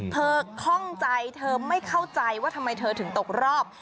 คล่องใจเธอไม่เข้าใจว่าทำไมเธอถึงตกรอบ